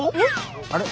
あれ？